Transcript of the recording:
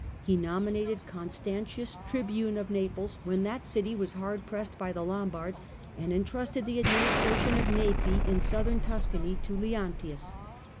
He nominated Constantius tribune of Naples when that city was hard pressed by the Lom bards, and entrusted the administration of Nepi, in Southern Tuscany, to Leontius.